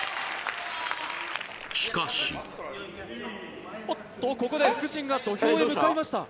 しかしおっとここで副審が土俵へ向かいました